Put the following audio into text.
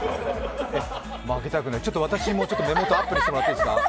負けたくない、私も目元アップしてもらっていいですか。